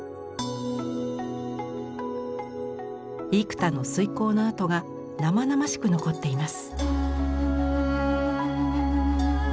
幾多の推こうのあとが生々しく残っています。